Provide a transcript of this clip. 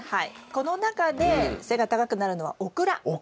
この中で背が高くなるのはオクラです。